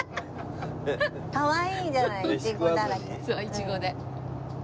イチゴで。